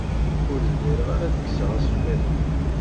Ur zmireɣ ara ad kkseɣ asemmiḍ-a.